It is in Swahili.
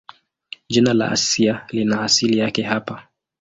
Jina la Asia lina asili yake hapa.